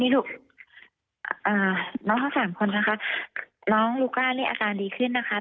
น้องทั้งสามคนนะครับน้องลูกก้านนี่อาการดีขึ้นนะครับ